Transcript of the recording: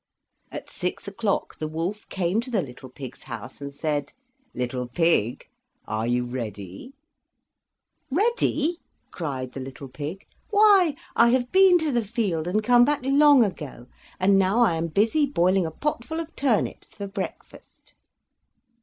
At six o'clock the wolf came to the little pig's house and said: "Little pig, are you ready?" "Ready!" cried the little pig. "Why, I have been to the field and come back long ago, and now I am busy boiling a potful of turnips for breakfast."